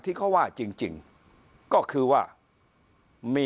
พักพลังงาน